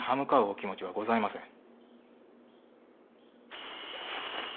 お気持ちはございません。